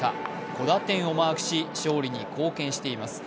５打点をマークし、勝利に貢献しています。